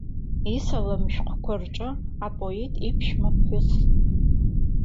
Исалам шәҟәқәа рҿы апоет иԥшәмаԥҳәыс.